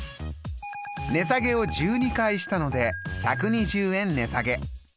値下げを１２回したので１２０円値下げ。